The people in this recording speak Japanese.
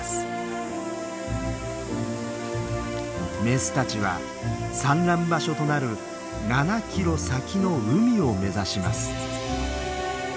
メスたちは産卵場所となる７キロ先の海を目指します。